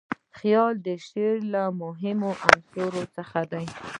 خیال د شعر له مهمو عنصرو څخه دئ.